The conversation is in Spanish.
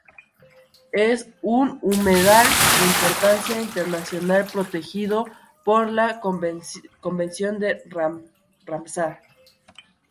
Es un humedal de importancia internacional protegido por la convención de Ramsar.